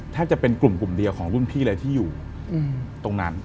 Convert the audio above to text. แทบจะเป็นกลุ่มเดียวของรุ่นพี่เลยที่อยู่ตรงนั้น